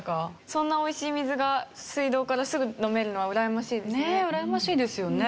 そんな美味しい水が水道からすぐ飲めるのはうらやましいですね。